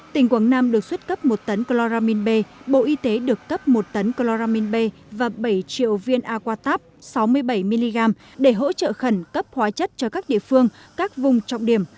tỉnh quảng nam được xuất cấp một tấn chloramine b bộ y tế được cấp một tấn chloramine b và bảy triệu viên aquatab sáu mươi bảy mg để hỗ trợ khẩn cấp hóa chất cho các địa phương các vùng trọng điểm